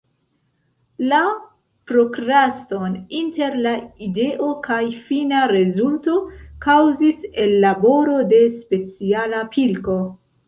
La prokraston inter la ideo kaj fina rezulto kaŭzis ellaboro de speciala pilko.